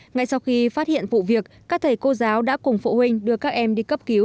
ngay sau khi phát hiện vụ việc các thầy cô giáo đã cùng phụ huynh đưa các em đi cấp cứu